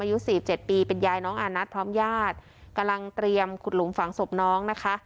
อายุสี่เจ็ดปีเป็นยายน้องอานัทพร้อมญาติกำลังเตรียมขุดหลุมฝังศพน้องนะคะ